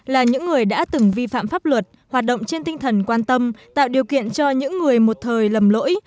là những người đã từng vi phạm pháp luật hoạt động trên tinh thần quan tâm tạo điều kiện cho những người một thời lầm lỗi